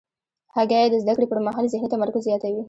هګۍ د زده کړې پر مهال ذهني تمرکز زیاتوي.